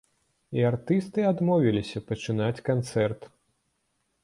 І артысты адмовіліся пачынаць канцэрт.